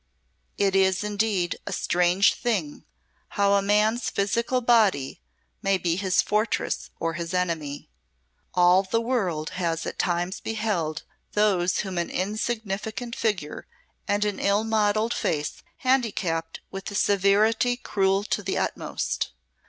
It is, indeed, a strange thing, how a man's physical body may be his fortress or his enemy. All the world has at times beheld those whom an insignificant figure and an ill modelled face handicapped with a severity cruel to the utmost.